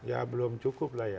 ya belum cukup lah ya